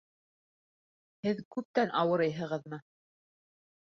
Һеҙ күптән ауырыйһығыҙмы?